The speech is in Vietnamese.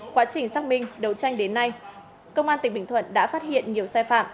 quá trình xác minh đấu tranh đến nay công an tỉnh bình thuận đã phát hiện nhiều sai phạm